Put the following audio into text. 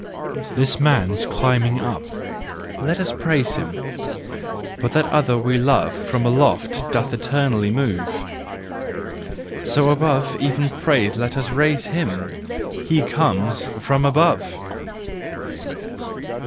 This man's climbing up—let us praise him— But that other we love From aloft doth eternally move, So above even praise let us raise him, He comes from above!